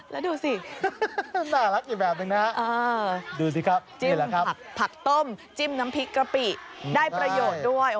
แล้วดูสิน่ารักอีกแบบนึงนะดูสิครับจิ้มผักต้มจิ้มน้ำพริกกะปิได้ประโยชน์ด้วย